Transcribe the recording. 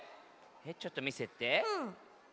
ちょっとみせて。